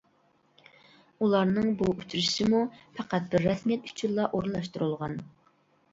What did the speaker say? ئۇلارنىڭ بۇ ئۇچرىشىشىمۇ پەقەت بىر رەسمىيەت ئۈچۈنلا ئورۇنلاشتۇرۇلغان.